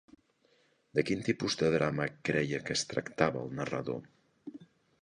De quin tipus de drama creia que es tractava el narrador?